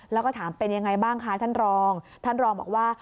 แล้วก็ถามเป็นยังไงบ้างคะท่านรองท่านรองบอกว่า